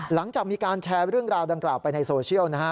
หลังจากมีการแชร์เรื่องราวดังกล่าวไปในโซเชียลนะฮะ